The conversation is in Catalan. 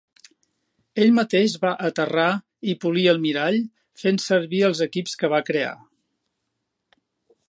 Ell mateix va aterrar i polir el mirall, fent servir els equips que va crear.